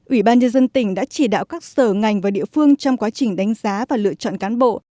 ủy ban nhân dân tỉnh đã chỉ đạo các sở ngành và địa phương trong quá trình đánh giá và lựa chọn cán bộ